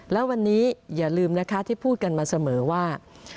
แล้ววันนี้อย่าลืมนะคะที่พูดกันมาเสมอว่า